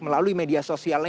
melalui media sosialnya